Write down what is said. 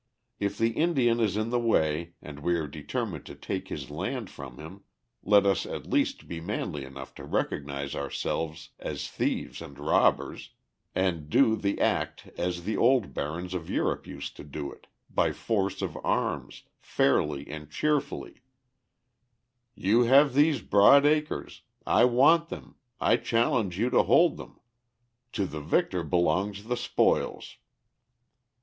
If the Indian is in the way and we are determined to take his land from him, let us at least be manly enough to recognize ourselves as thieves and robbers, and do the act as the old barons of Europe used to do it, by force of arms, fairly and cheerfully: "You have these broad acres: I want them. I challenge you to hold them: to the victor belongs the spoils."